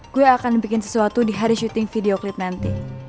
gue akan bikin sesuatu di hari syuting video klip nanti